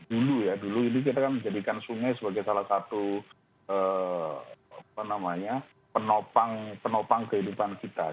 dulu ya dulu ini kita kan menjadikan sungai sebagai salah satu penopang kehidupan kita